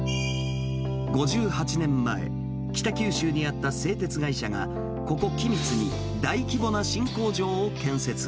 ５８年前、北九州にあった製鉄会社が、ここ君津に大規模な新工場を建設。